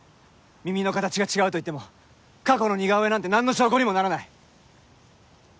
耳の形が違うと言っても過去の似顔絵なんてなんの証拠にもならない。